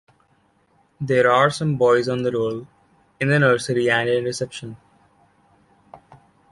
There are some boys on the roll in the Nursery and in Reception.